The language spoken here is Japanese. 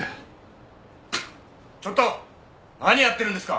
ちょっと何やってるんですか！